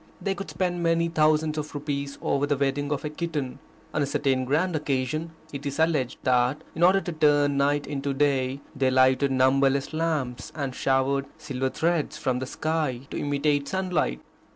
They could spend many thousands of rupees over the wedding of a kitten. On a certain grand occasion it is alleged that in order to turn night into day they lighted numberless lamps and showered silver threads from the sky to imitate sunlight.